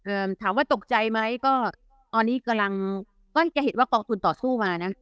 ถามว่าตกใจไหมก็ตอนนี้กำลังก็จะเห็นว่ากองทุนต่อสู้มานะ